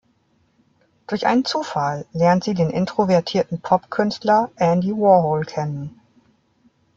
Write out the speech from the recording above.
Durch einen Zufall lernt sie den introvertierten Pop-Künstler Andy Warhol kennen.